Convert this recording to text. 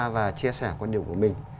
và chia sẻ quan điểm của mình